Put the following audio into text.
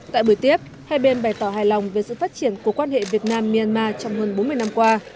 tại buổi tiếp hai bên bày tỏ hài lòng về sự phát triển của quan hệ việt nam myanmar trong hơn bốn mươi năm qua